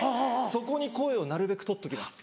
そこに声をなるべく取っときます。